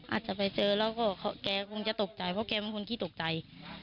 อาจจะไปเจอแล้วก็แกคงจะตกใจเพราะแกเป็นคนขี้ตกใจ